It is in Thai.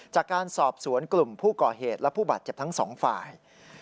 จากการสอบสวนกลุ่มผู้ก่อเหตุและผู้บาดเจ็บทั้งสองฝ่าย